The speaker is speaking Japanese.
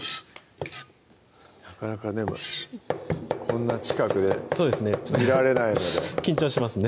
なかなかでもこんな近くで見られないので緊張しますね